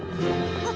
あっ！